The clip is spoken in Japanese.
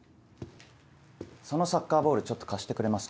そのサッカーボールちょっと貸してくれますか。